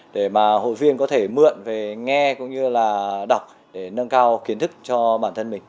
để mà hội viên có thể mượn về nghe cũng như là đọc để nâng cao kiến thức cho bản thân mình